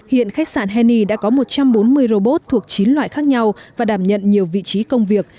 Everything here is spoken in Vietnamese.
hiện khách sạn henny đã có một trăm bốn mươi robot thuộc chín loại khác nhau và đảm nhận nhiều vị trí công việc